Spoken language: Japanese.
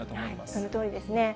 そのとおりですね。